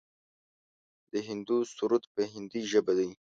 د هندو سرود په هندۍ ژبه دی.